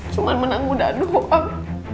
cuman menang muda doang